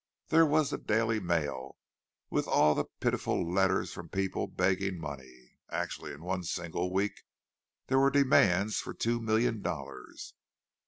There was the daily mail, with all the pitiful letters from people begging money—actually in one single week there were demands for two million dollars.